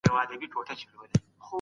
هغه غوښتل ټولنه منظمه کړي.